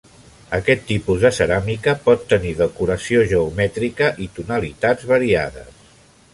Aquest tipus de ceràmica pot tenir decoració geomètrica i tonalitats variades.